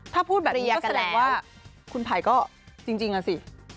ถ้าพูดแบบนี้ก็แสดงว่าคุณไผ่ก็จริงอ่ะสิ